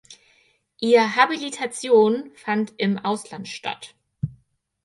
Ihr Habilitation fand im Ausland statt.